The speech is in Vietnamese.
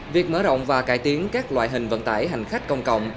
việc mở rộng và cải tiến các loại hình vận tải hành khách công cộng